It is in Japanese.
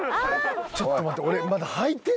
ちょっと待って。